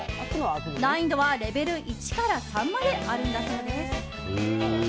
難易度はレベル１から３まであるんだそうです。